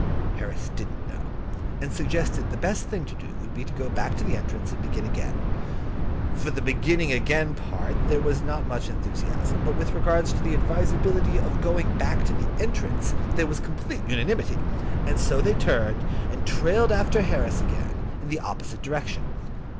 Harris didn't know, and suggested that the best thing to do would be to go back to the entrance, and begin again. For the beginning again part of it there was not much enthusiasm; but with regard to the advisability of going back to the entrance there was complete unanimity, and so they turned, and trailed after Harris again, in the opposite direction.